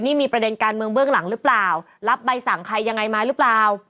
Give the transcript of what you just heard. นี่มีประเด็นการเมืองเบื้องหลังหรือเปล่ารับใบสั่งใครยังไงมาหรือเปล่า